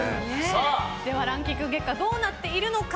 ではランキング結果どうなっているのか。